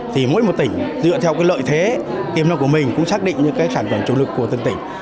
thì mỗi một tỉnh dựa theo cái lợi thế kiểm soát của mình cũng xác định những cái sản phẩm chủ lực của tất cả tỉnh